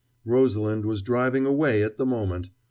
Rosalind was driving away at the moment.